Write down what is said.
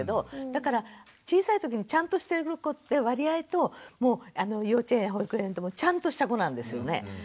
だから小さいときにちゃんとしてる子って割合と幼稚園保育園でもちゃんとした子なんですよね。